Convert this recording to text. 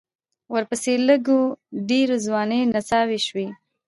ورپسې لږ و ډېرې ځوانې نڅاوې شوې.